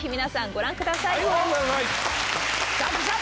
ご覧ください。